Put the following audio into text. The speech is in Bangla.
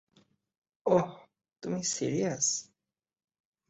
ওহ, তুমি সিরিয়াস।